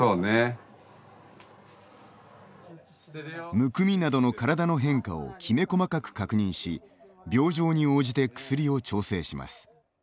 むくみなどの体の変化をきめ細かく確認し病状に応じて薬を調整します。